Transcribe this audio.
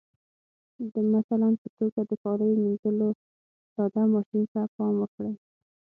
د مثال په توګه د کاليو منځلو ساده ماشین ته پام وکړئ.